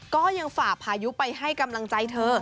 ก็ยังฝากพายุไปให้กำลังใจเธอ